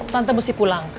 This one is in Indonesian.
tante mesti pulang